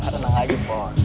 tenang aja pon